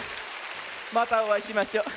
またおあいしましょ。